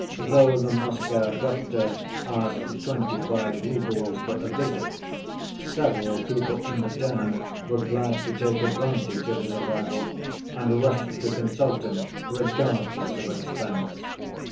Though the Moscow doctor asked twenty‐five roubles for a visit, several people in the town were glad to take advantage of his arrival, and rushed to consult him regardless of expense.